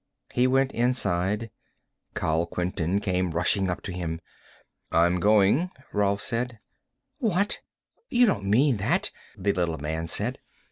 He went inside. Kal Quinton came rushing up to him. "I'm going," Rolf said. "What? You don't mean that," the little man said.